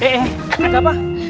eh eh ada apa